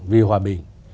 vì hòa bình